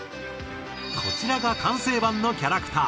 こちらが完成版のキャラクター。